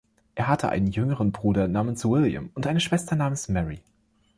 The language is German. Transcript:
Er hatte einen jüngeren Bruder namens William und eine Schwester namens Mary.